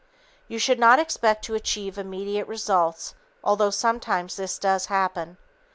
You should not expect to achieve immediate results although sometimes this does happen.